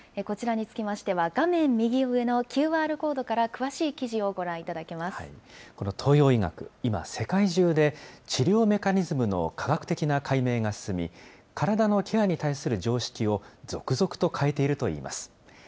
こちらにつきましては、画面右上のＱＲコードから、詳しい記事をこの東洋医学、今、世界中で、治療メカニズムの化学的な解明が進み、体のケアに対する常識を続々と変えているといいます。